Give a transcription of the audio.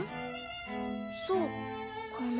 そうかな。